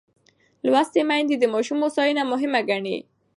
لوستې میندې د ماشوم هوساینه مهمه ګڼي.